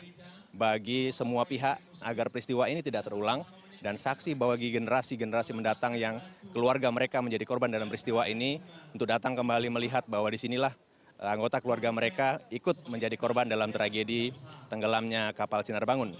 jadi bagi semua pihak agar peristiwa ini tidak terulang dan saksi bagi generasi generasi mendatang yang keluarga mereka menjadi korban dalam peristiwa ini untuk datang kembali melihat bahwa disinilah anggota keluarga mereka ikut menjadi korban dalam tragedi tenggelamnya kapal sinar bangun